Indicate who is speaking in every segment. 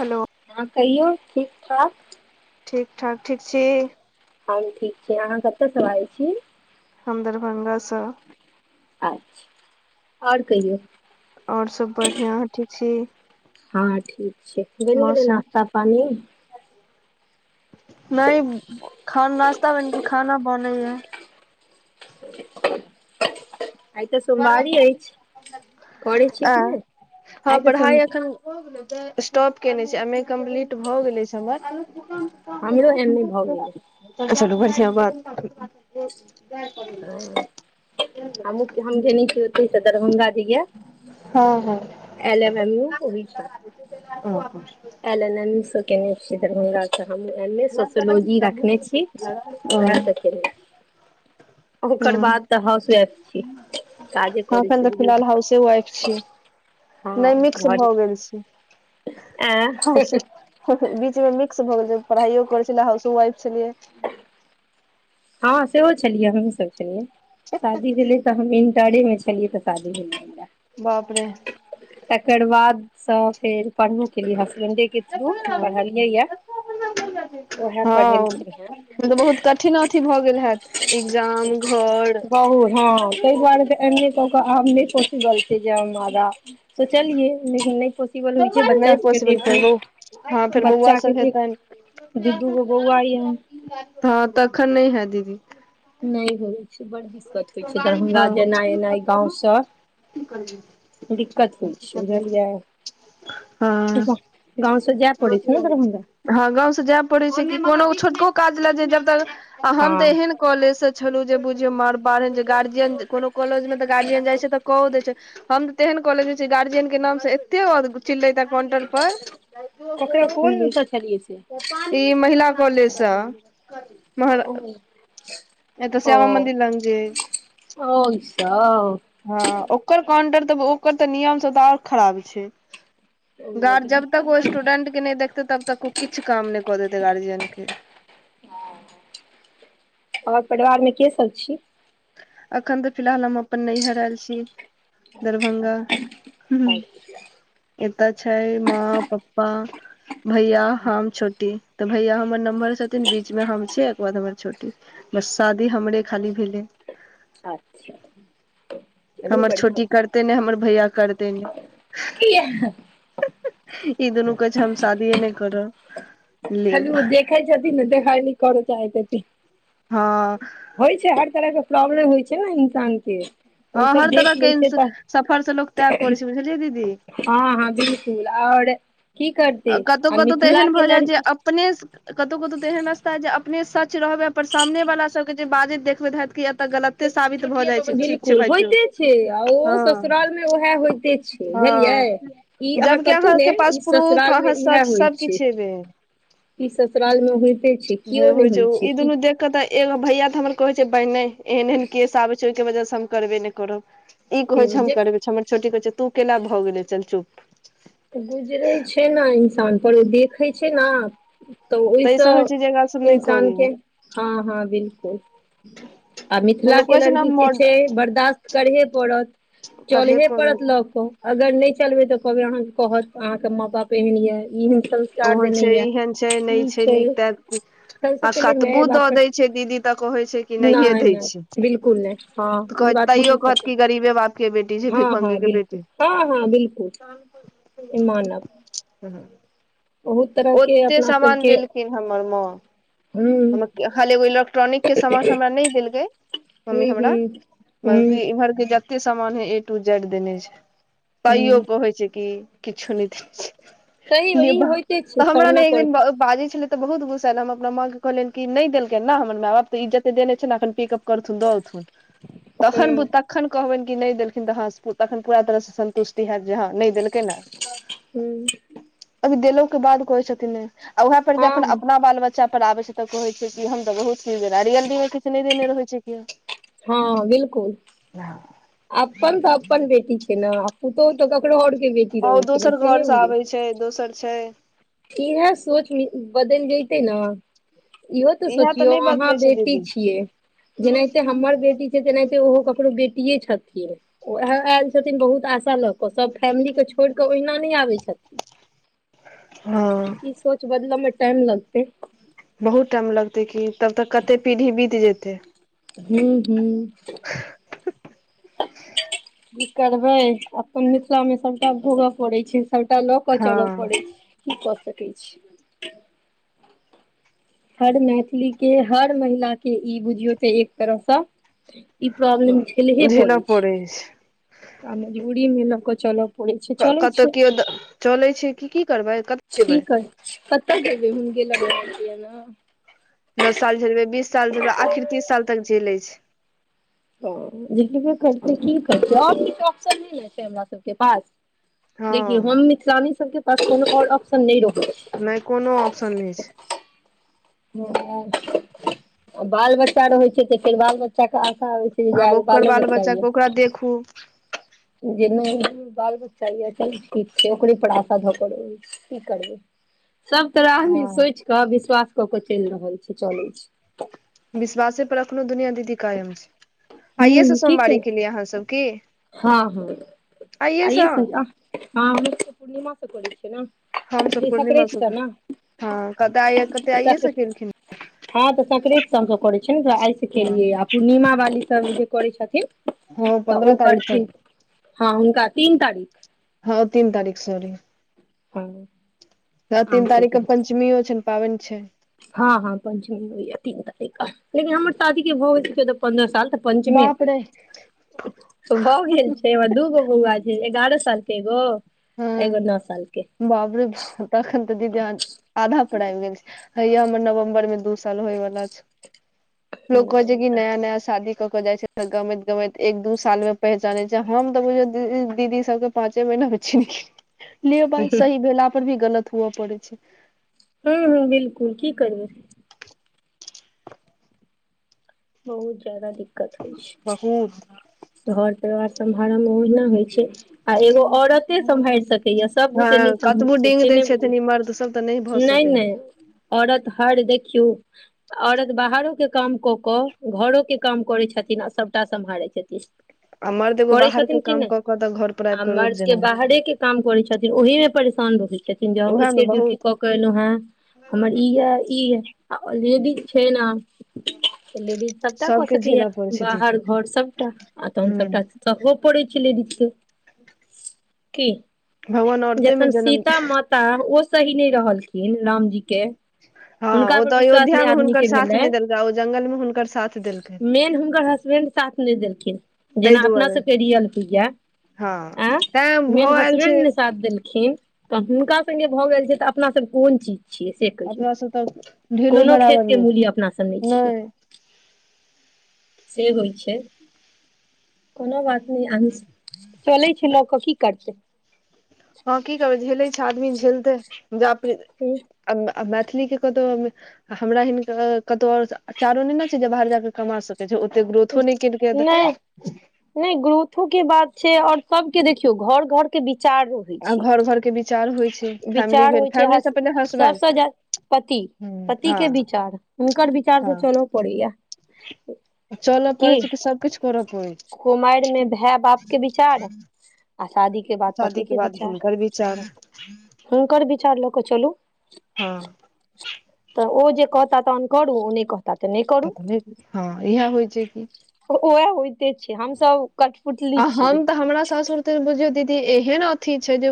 Speaker 1: हलो।
Speaker 2: हां कहियौ ठीक-ठाक।
Speaker 1: ठीक-ठाक, ठीक छी।
Speaker 2: हम ठीक छी, अहाँ कता से बाजै छी।
Speaker 1: हम दरभंगा स।
Speaker 2: अच्छा आओर कहियौ?
Speaker 1: और सब बढ़ियां ठीक छी?
Speaker 2: हँ ठीक छै। बनि गेलै
Speaker 1: मौसम
Speaker 2: नाास्ता पानी?
Speaker 1: नहि खान नाश्ता बन गैल खाना बनया।
Speaker 2: [inaudible] आइ तऽ सोमबारी अइच, करै छि
Speaker 1: आ
Speaker 2: कि नहि
Speaker 1: हँ
Speaker 2: आइ तऽ सो
Speaker 1: पढ़ाइ एखन स्टॉप केने छै एम ए कम्प्लीट भऽ गेले छै हमर।
Speaker 2: हमरो एन नहि भाव गेलै।
Speaker 1: चलो बढ़िआ बात। [unintelligible]
Speaker 2: ह हम हम धेने छी, ओते से दरभ्ंगा [unintelligible]
Speaker 1: हँ हँ।
Speaker 2: एलम हमी ओ। [unintelligible]
Speaker 1: [unintelligible]
Speaker 2: एलनन स केने छ दरभङंगगा तऽ हम एने सोशियोलॉजी रखने छी, इए त
Speaker 1: हां
Speaker 2: काजे करै
Speaker 1: अखन
Speaker 2: छी
Speaker 1: तऽ
Speaker 2: बुझू
Speaker 1: फिलहाल हाउसे वाइफ छीये।
Speaker 2: हँ
Speaker 1: नहि मिक्स
Speaker 2: घर
Speaker 1: भऽ गेल छै। हस
Speaker 2: हँ
Speaker 1: बीच मे मिक्स भऽ गेल पढ़ाइयो करै छलै, हाउस वाइफ छलियै।
Speaker 2: हँ सेहो छलिय, हमहु सब छलियै शादी भेले तऽ हम इंटरे मे छ लियै तऽ शादी भेल
Speaker 1: बाप रे
Speaker 2: तकर बादसँ फेर पढ़बो केलियए हसबेंडेके थ्रू, पढ़लियै यऽ। उएह पढ़ेलखिन हे।
Speaker 1: अथीना अथि भऽ गेल हैत इग्जाम, घर
Speaker 2: बहु हँ। ताहि दुआरे त एम ए क के आब मे पोसिबल छै जे [unintelligible] हमारा सोचलिये लेकिन [unintelligible] बच्चा
Speaker 1: नहि
Speaker 2: सबके
Speaker 1: पॉसिबल फेर
Speaker 2: देखिये,
Speaker 1: बौ हँ फेर बौआ
Speaker 2: बच्चा के
Speaker 1: सब
Speaker 2: देखिए।
Speaker 1: हेतनि
Speaker 2: दू दूगो बौआ आइए।
Speaker 1: हँ तखन नहि है दीदी।
Speaker 2: नहि होइ छै, बड़ दिक्कत होइ छै, दरभंगा जेनाइ एनाइ
Speaker 1: हँ
Speaker 2: गाँवसँ दिक्कत होइ छै बुझलियै?
Speaker 1: हँ
Speaker 2: गांव स जय पड़ छै ने दरभंगा।
Speaker 1: हँ गाँंव से जाय पड़े छै कि कोनो छोटको काज ले जाय जब तक आ हम तऽ
Speaker 2: हँ
Speaker 1: एहन कॉलेज से च छलु जे बुझिय मार बार जे गार्जियन कोनो कॉलेज मे तऽ गार्जियन जाय छै त क देय छै। हम तेन कॉलेज जे छी गार्जियन के नाम से एते चिललै त काउंटर पर
Speaker 2: ककरा कोन
Speaker 1: बुली।
Speaker 2: स छलियै से
Speaker 1: ई महिला कॉलेजस महरा
Speaker 2: ओ [inaudible]
Speaker 1: ए तऽ श्याम मन्दिर ल जे।
Speaker 2: ओ इसब
Speaker 1: हँ ओकर काउंटर तऽ ओकर तऽ नियम सब तऽ आओर खराबी छैय।
Speaker 2: ओ
Speaker 1: गार्
Speaker 2: तऽ
Speaker 1: जब
Speaker 2: दिक्कत
Speaker 1: तक ओ
Speaker 2: बड़
Speaker 1: स्टूडेंट के नहि देखते तब तक ओ किछु काम नहि कऽ देते गार्जियन के।
Speaker 2: और परिवारमे के सब छी?
Speaker 1: अखन तऽ फिलहाल हम अपन नैहर आयल छी दरभंगा।
Speaker 2: अच्छा
Speaker 1: ए तऽ छै माँ पप्पा। भैया हम छोटी त। भैया हमर नम्हर छथिन बीच मे हम छियै एके बाद हमर छोटी बस शादी हमरे खाली भेलेय।
Speaker 2: अच्छा। चलू
Speaker 1: हमर
Speaker 2: बढ़िआँ
Speaker 1: छोटी करतै नै हमर भैया करतै नै।
Speaker 2: कियाह।
Speaker 1: ई दुनू कहै छैय हम शादीये नइ करब।
Speaker 2: चलू
Speaker 1: लेब
Speaker 2: ओ देखय छथिन नै तै सादी न करो चाहे छथिन।
Speaker 1: हं।
Speaker 2: होइ छैय हर तरह के प्रॉब्लम होइ छैय न इंसान के। ओ
Speaker 1: हं
Speaker 2: सब
Speaker 1: हर
Speaker 2: देख लै
Speaker 1: तरहके इं
Speaker 2: छै तऽ
Speaker 1: सफर से लोक त्याग कर छैय बुझलियै दीदी
Speaker 2: हं हं बिलकुल और की करतै
Speaker 1: कतहु
Speaker 2: आ
Speaker 1: कतहु तऽ
Speaker 2: मिथिला
Speaker 1: एहन
Speaker 2: के
Speaker 1: भऽ जायत जे
Speaker 2: लड़की।
Speaker 1: अपने स। कतहु कतहु तऽ एहन रास्ता अइ जे अपने सच रहबैय पर सामने वाला सब के जे बाजैत देखबैय हैत कि एतय गलत। साबित भऽ जाइ छैय ठीक। छै
Speaker 2: कुल
Speaker 1: भाय
Speaker 2: होइते छैय आ
Speaker 1: चुप
Speaker 2: ओ
Speaker 1: हँ
Speaker 2: ससुराल मे उएह होइते छैय
Speaker 1: हँ
Speaker 2: बुझलियै। ई अहां
Speaker 1: जबकि
Speaker 2: कतहु ने
Speaker 1: अहाँके पास
Speaker 2: ई
Speaker 1: प्रूफ
Speaker 2: ससुराल मे
Speaker 1: अहाँ
Speaker 2: इएह
Speaker 1: सच
Speaker 2: होइ
Speaker 1: सब
Speaker 2: छैय
Speaker 1: किछ हेबे
Speaker 2: ई ससुराल मे होइते छैय किओ नहि होइ छैय की।
Speaker 1: ते एगो भैया तऽ हमर कहे छैय बाय न एहन एहन केस आबे छैहि के वजह से हम करबे ने। करब ई कहे छैय हम
Speaker 2: जे
Speaker 1: करबै हमर छोटी कहेय छैय तू केना भऽ गेले चल चुप।
Speaker 2: गुजरैय छैय न इंसान पर ओ देखैय छैय न। तऽ ओहि
Speaker 1: ई
Speaker 2: स
Speaker 1: सब होइ छै जे एकरा सब नहि
Speaker 2: इंसान
Speaker 1: करी
Speaker 2: के हं हं बिलकुल। आ मिथिला
Speaker 1: लोक
Speaker 2: के
Speaker 1: कहै छै ने
Speaker 2: लड़की के
Speaker 1: मॉड
Speaker 2: छैय बर्दाश्त करहे पड़त चलहे पड़त लऽ क। अगर नहि चलबेै तऽ कहबै अहां के कहत अहां के मां बाप एहन ये इ हम। संस्कार
Speaker 1: ओहन
Speaker 2: देने
Speaker 1: छैप
Speaker 2: यए
Speaker 1: एहन छैय नइ
Speaker 2: ई
Speaker 1: छैय
Speaker 2: छै
Speaker 1: नीक तऽ।
Speaker 2: सबसँ
Speaker 1: आ
Speaker 2: पहिले माय
Speaker 1: कतबो दऽ
Speaker 2: बाप पर
Speaker 1: दैय छैय दीदी तऽ कहैय छैय कि नहिये
Speaker 2: नहि
Speaker 1: दैय छैय।
Speaker 2: नहि बिलकुल नहि हँ ई
Speaker 1: कहैत
Speaker 2: बात
Speaker 1: तैयो
Speaker 2: हमहुँ
Speaker 1: कहत
Speaker 2: सब
Speaker 1: की गरीबे बाप के बेटी छैय
Speaker 2: हँ
Speaker 1: भिख मंगे
Speaker 2: हँ
Speaker 1: के
Speaker 2: बिलकुल
Speaker 1: बेटी।
Speaker 2: हँ हँ बिलकुल
Speaker 1: पैघ छथिन
Speaker 2: मानब
Speaker 1: हूं हू।
Speaker 2: बहुत तरहके
Speaker 1: ओतेऽ
Speaker 2: अपना
Speaker 1: सामान
Speaker 2: सबके
Speaker 1: देलखिन हमर मां।
Speaker 2: हूँ
Speaker 1: खाली एगो इलेक्ट्रॉनिक के सामान हमरा नइ देलकैय मम्मी
Speaker 2: हूँ
Speaker 1: हमरा।
Speaker 2: हूँ हूँ
Speaker 1: घर के जते सामान अई ए टू जेड देने छैय तैयो
Speaker 2: हूँ
Speaker 1: कहैप छैय की। किछ नइ छौउ।
Speaker 2: सही ओही होय ते छैय सामना करब।
Speaker 1: बाजे छलैय त बहुत गुसा ऐल हम अपना मां के कहलियै कि नहि देलकैन न हमर मै बाप त इ जते देने छैय न पीकप। करथुन द एथुन। तहन
Speaker 2: हूँ
Speaker 1: तखन कहबैन कि नइ देलखिन तऽ ह तखन पूरा तरह सऽ संन्तुष्ट। हैत जे ह नइ देलकै न
Speaker 2: हूँ
Speaker 1: अभी देलों के बाद कहैय छथिन नै। आ उएह पर ज
Speaker 2: हँ
Speaker 1: अपन
Speaker 2: हँ
Speaker 1: अपना बाल बच्चा पर आबै छैय तऽ कहे छैय कि हम तऽ बहुत। क [unintelligible] रियली मे किछु नहि देने रहे छैय कि
Speaker 2: हं बिल्कुल।
Speaker 1: [inaudible]
Speaker 2: अपन तऽ अपन बेटी छैय न पुतोह तऽ ककरो और के बेटी रहैय छैय न से नइ बुझैय।
Speaker 1: छैय दोसर छैय।
Speaker 2: इहै सोच बदल जइतै न। इहो तऽ
Speaker 1: इएह
Speaker 2: सोचियौ
Speaker 1: नहि
Speaker 2: अहां
Speaker 1: बदलै छै
Speaker 2: बेटी
Speaker 1: दीदी
Speaker 2: छियै। जेनाहिते हमर बेटी छैय तेनाहिते ओहो ककरो बेटी। पे छथिन ओ आयल छथिन बहुत आशा लग ओ सभ फैमिलीके छोड़ि कऽ ओहिना नहि आबै छथिन।
Speaker 1: हँ
Speaker 2: ई सोच बदलऽ मे टाइम लगते।
Speaker 1: बहुत टाइम लगते की तब तऽ कते पीढ़ी बीत जेते।
Speaker 2: हूं हूं की करबै अपन मिथिला मे सबटा भोगय पड़ैत छै, सबटा लऽ क
Speaker 1: हँ
Speaker 2: चलय पड़े छै। की क सकै छी। हर मैथिली के हर महिला के ई बुझियौ ते एक तरहसँ ई प्रॉब्लम झेलहे
Speaker 1: झेलऽ
Speaker 2: पड़े
Speaker 1: पड़ै
Speaker 2: छै आ मजबूरी में ल क चल
Speaker 1: कतहु केओ चलै छै क की करबै कतय जेबै।
Speaker 2: कत जेबे उनके लग रहलय न।
Speaker 1: दस साल झेलबै बीस साल झलबे आखिर तीस साल तक झेलै छै।
Speaker 2: ओ जेब करतै की करतै आओर किछु ऑप्शन नहि ने छै हमरा सबके पास
Speaker 1: हँ
Speaker 2: देखियौ हम मिथिलानी सबके पास कोनो आओर ऑप्शन नहि रहइ छे।
Speaker 1: नहि कोनो ऑप्शन नहि छै।
Speaker 2: ह [unintelligible] बाल बच्चा रहै छै तऽ फेर बाल बच्चा के
Speaker 1: आब
Speaker 2: जा [unintelligible]
Speaker 1: ओकर
Speaker 2: बालो
Speaker 1: बाल
Speaker 2: बच्चा इ
Speaker 1: के
Speaker 2: ए
Speaker 1: ओकरा देखू
Speaker 2: जेने बाल बच्चा य चल ठीक छै ओकरे पढ़ाशा ध करो की करबै। सब तरह
Speaker 1: हँ
Speaker 2: आदमी सोचि कऽ विश्वास कऽ के चलि रहल छै चलइ छै।
Speaker 1: विश्वासे पर अखनो दुनिया दीदी कायम छै। आइे से
Speaker 2: हूँ की
Speaker 1: सोमवारी
Speaker 2: कर
Speaker 1: के लिए अहाँ सब की?
Speaker 2: हँ हँ आइे से नै ह हमोके पूर्णिमा से करै छियै ने।
Speaker 1: हमस
Speaker 2: ई
Speaker 1: पूर्णिमा
Speaker 2: संक्रान्ति सँ
Speaker 1: सब
Speaker 2: ने
Speaker 1: हँ कत आ कते आइए
Speaker 2: सक
Speaker 1: स केलखिन।
Speaker 2: हँ तऽ संक्रांत सभ हमसभ करै छियै ने त आस
Speaker 1: हँ
Speaker 2: केलियै आ पूर्णिमा वाली सब जे करै छथिन।
Speaker 1: हाँ पंद्रह क
Speaker 2: करथि हँ हुनका तीन तारीख
Speaker 1: हँ तीन तारीख सॉरी
Speaker 2: हँ
Speaker 1: आ
Speaker 2: अहाँ
Speaker 1: तीन तारख
Speaker 2: सबके
Speaker 1: के पञ्चमी अ पाबनि छै।
Speaker 2: हँ हँ पंचचमी होइया तीन तारीख क लेकिन हमर शादी के भऽ गेलइ छै पन्द्रह साल त पञ्चमी
Speaker 1: बाप रे
Speaker 2: [unintelligible] भऽ गेल छै हमर दूगो बऊआ छे एगारह साल के एको
Speaker 1: हँ बाबरे भ तखन तऽ दीदा आधा पर आबि गेल छै हैय हमर नवम्बर में दू साल होय वला छै। लोक कहै छै
Speaker 2: नहि
Speaker 1: कि
Speaker 2: तऽ
Speaker 1: नया नया शादी कऽ के जाइ छै तऽ गमैत गमैत एक दू साल में पहचाने छै हम तऽ बुझौ दीदी सबके पाँचे महिना में चिन के लियौ बइ सही भेला पर भी गलत हुवअ पड़ैत छै।
Speaker 2: हँ हँ बिलकुल की करइ? बहुत जादा दिक्कत होइ
Speaker 1: बहुत
Speaker 2: छै। घर परिवार समहा में ओहिना होइ छै। आ एगो औरते सम्हारि
Speaker 1: [unintelligible]
Speaker 2: सकैया सब बुते
Speaker 1: हँ
Speaker 2: नहि सम्हरै
Speaker 1: कतबो
Speaker 2: छै
Speaker 1: डेंग
Speaker 2: से
Speaker 1: दै
Speaker 2: नहि
Speaker 1: छथिन इ
Speaker 2: बुझै
Speaker 1: मर्द सब तऽ नहि भऽ सकै।
Speaker 2: औरत हर देखियौ औरत बाहरो के काम कऽ कऽ घरो के काम करै छथिन आ सभटा सम्हारै छथिन।
Speaker 1: आ मर्द एगो
Speaker 2: करे
Speaker 1: बाहर
Speaker 2: छथिथन
Speaker 1: के
Speaker 2: कि
Speaker 1: काम
Speaker 2: नहि
Speaker 1: कऽ कऽ तऽ घर पर
Speaker 2: आ
Speaker 1: आबि कऽ रोप
Speaker 2: मर्द के
Speaker 1: जनाबै
Speaker 2: बाहरे के काम करै छथिन ओहि में परेशान रहैत छथिन जे हम
Speaker 1: उएह मे
Speaker 2: एके ड्यूटी
Speaker 1: बहुत
Speaker 2: कऽ के कलहु हें। हमर ई ये ई अ ओ रेडीज छै न
Speaker 1: हं
Speaker 2: लेडीज सबटा क सकै यए। बाहर घर सबटा, आ तोहन
Speaker 1: हूँ
Speaker 2: सबटा सहो परे छलै लेडी के। कि?
Speaker 1: भगवान औरते मे
Speaker 2: जखन
Speaker 1: जन्म
Speaker 2: सीता माता ओ सही नहि रहलखिन, लाम के, हुनका पर विश्वास नहि आदमी के भेलै।
Speaker 1: जाउ जंगलमे हुनकर साथ देलकै
Speaker 2: मेन हुनकर हसबेंड साथ नहि देलखिन।
Speaker 1: ताहि
Speaker 2: जेना अपना
Speaker 1: दुआरे
Speaker 2: सबके रियल होइया।
Speaker 1: हँ
Speaker 2: एं,
Speaker 1: तैं
Speaker 2: मेन
Speaker 1: भाव आयल छै
Speaker 2: हसबैंड नै साथ देलखिन। तऽ हुनका सङ्गे भऽ गेल छै तऽ अपना सभ कोन चीज छियै से कहियौ।
Speaker 1: अपना सब तऽ ढेलो
Speaker 2: कोनो
Speaker 1: बराबर
Speaker 2: खेतके
Speaker 1: नहि
Speaker 2: मूली अपना सब नहि छियै। से होइ छै। कोनो बात [unintelligible] चलै छै लो क कि करतै?
Speaker 1: हँ कि करबै? झेलै छै आदमी झेलतै या फिर
Speaker 2: हूँ
Speaker 1: अब अब मैथिली के कतहु [unintelligible] हमरा हिनका कतौ और आ चारो नै ने छै जे बाहर जाकऽ कमा सक जे ओते ग्रोथो नहि केलकै ह-त
Speaker 2: नहि ग्रोथो के बात छै। और सबके देखियौ घर घर के विचार रू
Speaker 1: आ घर घर के विचार होइ छै। फैमिली
Speaker 2: विचार
Speaker 1: भेल।
Speaker 2: होइ छै
Speaker 1: फैमिली से
Speaker 2: हस
Speaker 1: पहिले
Speaker 2: सबसँ
Speaker 1: हसबेंड।
Speaker 2: जा पति, पतिके
Speaker 1: हँ
Speaker 2: विचार, हुनकर विचार से
Speaker 1: हँ
Speaker 2: चलो पड़ैया।
Speaker 1: चलऽ पड़ै छै
Speaker 2: कि
Speaker 1: सब किछु करऽ पड़ै छै
Speaker 2: कुमारि मे भेय बाप के विचार आ शादी के बाद पति के विचार।
Speaker 1: चारो
Speaker 2: हुनकर विचार लऽ कऽ चलू।
Speaker 1: हूम्म।
Speaker 2: तऽ ओ जे कहता तहन करू। ओ नहि कह
Speaker 1: त [unintelligible] नै। हँ, इएह होइ छै की।
Speaker 2: उ-उएह होइते छै हमसभ कठपुतली
Speaker 1: आ
Speaker 2: छी।
Speaker 1: हम तऽ हमरा सासुर [unintelligible] बुझयो दीदी एहेन अथी छै जे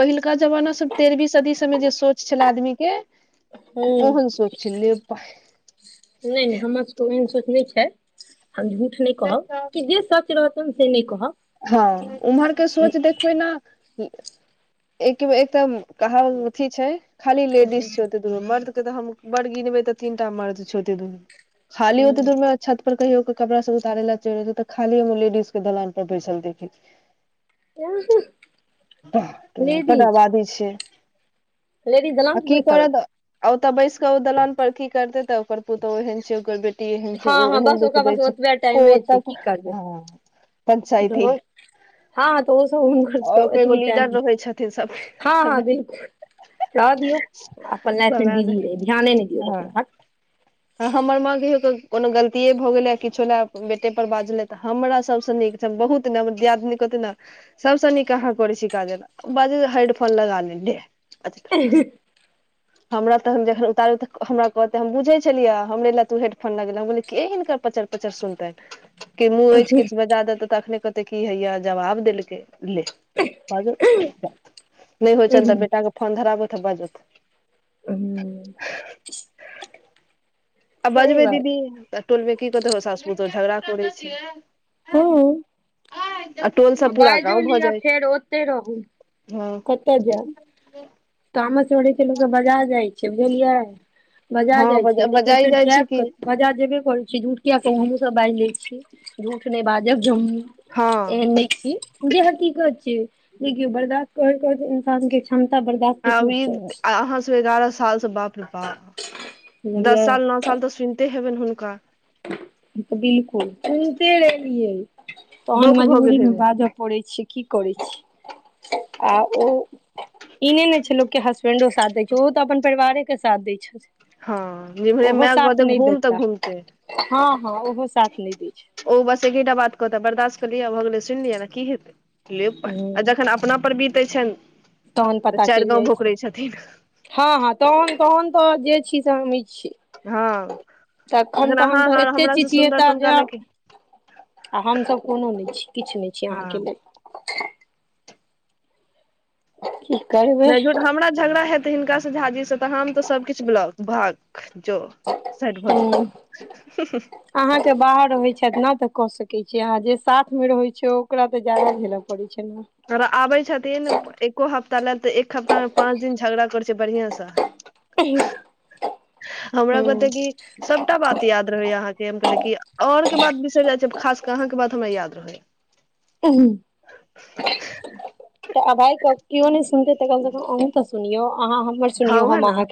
Speaker 1: पहिलका जमाना सब तेरवीं सदी सबमे जे सोच छै अपना आदमी के,
Speaker 2: हूँ
Speaker 1: ओहन सोच छै। ले बांइ
Speaker 2: नहि नहि हमर सभके ओहेन सोच नहि छै। हम झूठ नहि कहब। कि जे सच रहत [unintelligible] से नहि कहब
Speaker 1: हँ उम्हर के सोच देखबै ने, एक- एकदम कहल अथी छै। खाली लेडीस छै ओ [unintelligible] मर्द के तऽ हम बड़ गीनबै तऽ तीन टा मर्द छै ओते दूर में। खाली ओते दूर मे छत पर कहियो के कपड़ा सब उतारे ले चलि, तऽ खाली हम लेडीज के दलान पर बैसल देखै लियै।
Speaker 2: [unintelligible]
Speaker 1: [unintelligible]
Speaker 2: लेडीज
Speaker 1: पटाबादी छै।
Speaker 2: लेडीज दलान
Speaker 1: आ
Speaker 2: पर
Speaker 1: की
Speaker 2: बैसल
Speaker 1: करत आ ओतऽ बैस क ओ दलान पर कि करतै तऽ ओकर पुतौह ओहेन छै ओकर बे टी एहन छै,
Speaker 2: हँ
Speaker 1: ओ
Speaker 2: हँ
Speaker 1: एहन
Speaker 2: बस
Speaker 1: दुख
Speaker 2: ओकरा
Speaker 1: दै
Speaker 2: पास
Speaker 1: छै।
Speaker 2: ओतबे
Speaker 1: ओ
Speaker 2: टाइमे
Speaker 1: ओतऽ से, [unintelligible]
Speaker 2: धोर, हँ तो ओ सब उनकर [unintelligible]
Speaker 1: आओर एगो
Speaker 2: एटबी टाइम
Speaker 1: लीडर
Speaker 2: है।
Speaker 1: रहै छथिन सब
Speaker 2: हँ- हँ
Speaker 1: समय
Speaker 2: बिल्कुल रहऽ दियौ अपन लाइफ मे
Speaker 1: समय
Speaker 2: बीजी रही, ध्याने नै दियौ
Speaker 1: हँ
Speaker 2: ककरो भक्क।
Speaker 1: [inaudible] आ हमर माँ कहियो के कोनो गलतिये भ गेले आ किछो ले बेटे पर बाजले त हमरा सबसे नीक सब बहुत ना हमर दियादनी कहते ने सबसे नीक अहाँ करै छी काजल, बाजे छै हैडफोन लगा ले लेह [unintelligible]
Speaker 2: आ
Speaker 1: [inaudible] हमरा तखन जखन उतारब त हमरा कहते हम बुझे छलिया हमरे ले तू हेडफोन लगेला, हम कहलिये के हिनकर पचर पचर सुनतैन। कि मुँह एछ किछ बजा देते त अखने कहते की हैया जवाब देलकै ले। बाजौथ नै होय छन
Speaker 2: पर
Speaker 1: तऽ बेटा के फोन धराबौथ आ बाजौथ।
Speaker 2: हूं।
Speaker 1: आ
Speaker 2: सही
Speaker 1: बजबै
Speaker 2: बात
Speaker 1: दीदी त टोलमे की कहतै होउ सास पुतोह झगड़ा करै छै।
Speaker 2: हां।
Speaker 1: आ टोल से
Speaker 2: आ
Speaker 1: पूरा
Speaker 2: बाएजो
Speaker 1: गाँव भऽ
Speaker 2: लियो
Speaker 1: जाइ
Speaker 2: फेर ओते रहु।
Speaker 1: हँ
Speaker 2: कता जाएब, तामस बढ़य छलु ते बजार जाय छिये बुझलियै। बजार
Speaker 1: हँ
Speaker 2: जाय छिये,
Speaker 1: बजा
Speaker 2: लेकिन
Speaker 1: बजाइ
Speaker 2: फेर
Speaker 1: जाइ छै
Speaker 2: जाएब क
Speaker 1: कि
Speaker 2: बजार जेबे करै छी, झूठ किया कहु हमु सब बाएज लै छी, झूठ नै बाजब जे हम
Speaker 1: हँ
Speaker 2: एहन‌ नै छी जे हकीकत छियै देखियौ बर्दाश्त करैत-करैत इंसान के क्षमता बर्दाश्त के
Speaker 1: आब ई
Speaker 2: टूटि जाइ छै
Speaker 1: अहाँ सब एगारअ साल त बाप रे बाप
Speaker 2: बुझलियै
Speaker 1: दस साल, नौ साल तऽ सुनते हेबैन हुनका।
Speaker 2: बिलकुल सुनते एलियै। तहन
Speaker 1: बौक भऽ
Speaker 2: मजबूरी
Speaker 1: गेल
Speaker 2: मे
Speaker 1: हेबै
Speaker 2: बाजऽ पड़ै छै, की करै छी। आ ओ ई नै ने छै लोक के हसबेंडो साथ दै छै, उहो तऽ अपन परिवारे के साथ दै छै।
Speaker 1: हां जिमहरे माय कहते घूम तऽ घूमतै।
Speaker 2: हां-हां ओहो साथ नै दै छै।
Speaker 1: ओ बस एकेटा बात कहता बर्दाश्त कलियै भऽ गेलै सुन लियौ ने की हेतै। ले बा आ
Speaker 2: हूँ
Speaker 1: जखन अपना पर बीतै छैन तऽ चाएर गाँव भोखरे छथिन।
Speaker 2: हां-हां तहन, तहन तऽ जे छी से हमी छी।
Speaker 1: हँ
Speaker 2: तखन तहन
Speaker 1: अहाँ
Speaker 2: तऽ एते
Speaker 1: हमरा से सुन्दर
Speaker 2: चिचयैता
Speaker 1: हुनका
Speaker 2: जा
Speaker 1: लग
Speaker 2: आ हम सब कुनू नै छी, किछ नै छी
Speaker 1: हँ
Speaker 2: अहाँके लेल। की। करबै
Speaker 1: नै झूठ हमरा झगड़ा हाएत हिनका से झाजी से तऽ हम तऽ सब किछ [unintelligible] भ क जो साइड भऽ जो।
Speaker 2: अहाँ के बाहर होय छैथ ना तऽ कऽ सकै छी आ जे साथ मे रहै छै ओकरा तऽ ज्यादा झेला पड़े छै ना।
Speaker 1: अगर आबै छथिन एको हफ्ता लेल तऽ एक हफ्ता मे पाँच दिन झगड़ा करै छिये बढ़ियाँ से।
Speaker 2: [unintelligible]
Speaker 1: हमरा कहते कि
Speaker 2: हूँ
Speaker 1: सबटा बात याद रहैया अहाँके, हम कहलियै कि और के बात बिसैर जाय छी हम खास कऽ अहाँके बात हमरा याद रहै।
Speaker 2: ऊ हुं। तऽ [unintelligible] के कियौ नै सुनते तऽ कम से कम अहूं तऽ सुनियौ, अहाँ हमर
Speaker 1: हँ
Speaker 2: सुनियौ
Speaker 1: उएह
Speaker 2: हम
Speaker 1: ने
Speaker 2: अहाँके